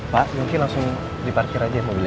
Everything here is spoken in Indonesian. pak mungkin langsung diparkir aja mobilnya